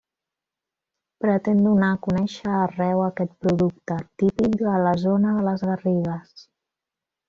Pretén donar a conèixer arreu aquest producte, típic a la zona de les Garrigues.